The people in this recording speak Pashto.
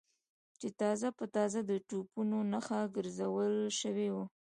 چې تازه په تازه د توپونو نښه ګرځول شوي و.